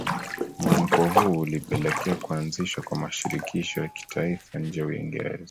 Mwamko huu ulipelekea kuanzishwa kwa Mashirikisho ya kitaifa nje ya Uingereza